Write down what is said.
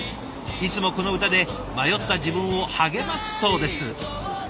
いつもこの歌で迷った自分を励ますそうです。